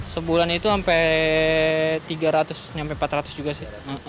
sebulan itu sampai tiga ratus sampai empat ratus juga sih